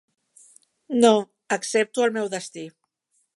No, accepto el meu destí.